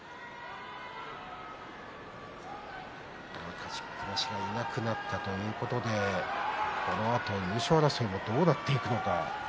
勝ちっぱなしがいなくなったということで、このあと優勝争いはどうなっていくのか。